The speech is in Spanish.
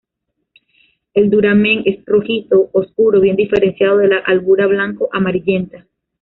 El duramen es rojizo oscuro bien diferenciado de la albura blanco amarillenta.